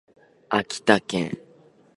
秋田県八郎潟町